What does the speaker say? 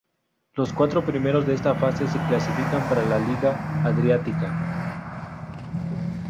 Los cuatro primeros de esta fase se clasifican para la Liga Adriática.